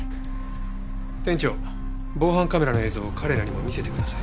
店長防犯カメラの映像を彼らにも見せてください。